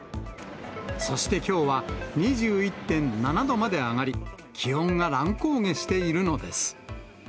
そしてきょうは、２１．７度まで上がり、気温が乱高下しているのです。